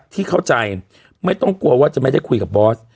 ที่เข้าใจไม่ต้องกลัวว่าจะไม่ได้คุยกับบอส